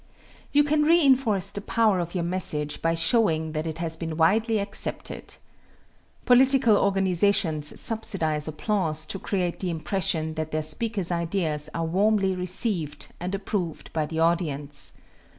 You can reinforce the power of your message by showing that it has been widely accepted. Political organizations subsidize applause to create the impression that their speakers' ideas are warmly received and approved by the audience.